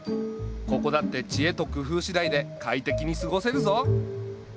ここだって知恵と工夫しだいで快適に過ごせるぞ。